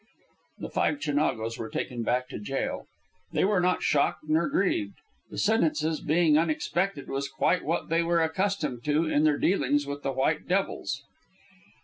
The five Chinagos were taken back to jail. They were not shocked nor grieved. The sentences being unexpected was quite what they were accustomed to in their dealings with the white devils.